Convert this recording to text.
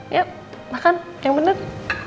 eh makan tengah